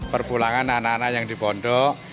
perbulangan anak anak yang di bondok